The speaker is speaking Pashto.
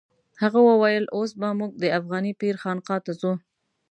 هغه وویل اوس به موږ د افغاني پیر خانقا ته ځو.